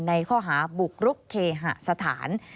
ในข้อหาบุกรุกเคหสถาน